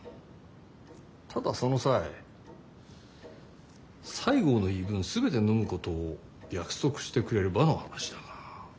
ただその際西郷の言い分全てのむことを約束してくれればの話だが。